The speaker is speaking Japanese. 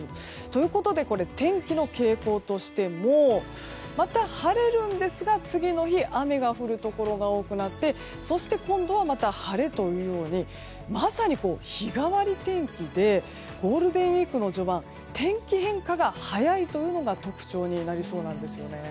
ということで天気の傾向としてもまた晴れるんですが次の日雨が降るところが多くなってそして今度はまた晴れというように日替わり天気でゴールデンウィークの序盤天気変化が早いというのが特徴になりそうなんですよね。